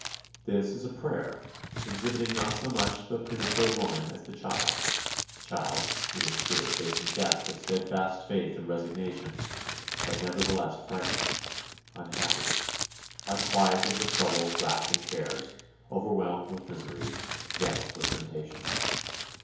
This is a prayer, exhibiting not so much the premature woman as the child a child, it is true, facing death with steadfast faith and resignation, but nevertheless frightened, unhappy, "unquieted with troubles, wrapped in cares, overwhelmed with miseries, vexed with temptations